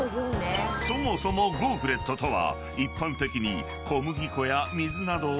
［そもそもゴーフレットとは一般的に］